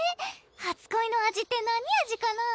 初恋の味って何味かな？